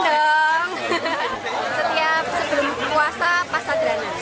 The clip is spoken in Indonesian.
setiap sebelum puasa pas sadranan